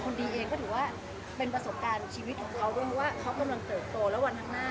ดีเองก็ถือว่าเป็นประสบการณ์ชีวิตของเขาด้วยเพราะว่าเขากำลังเติบโตแล้ววันข้างหน้า